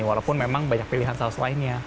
walaupun memang banyak pilihan saus lainnya